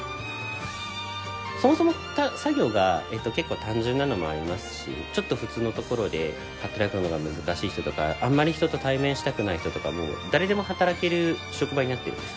そもそも作業が結構単純なのもありますしちょっと普通のところで働くのが難しい人とかあんまり人と対面したくない人とかも誰でも働ける職場になってるんですね。